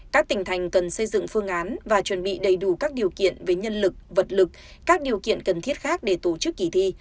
các tỉnh thành cần xây dựng phương án và chuẩn bị đầy đủ các điều kiện về nhân lực vật lực các điều kiện cần thiết khác để tổ chức kỳ thi